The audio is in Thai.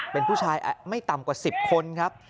เป็นผู้ชายไม่ต่ำกว่า๑๐คนครับ